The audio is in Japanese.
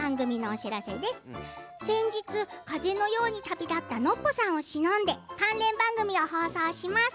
先日、風のように旅立ったノッポさんをしのんで関連番組を放送します。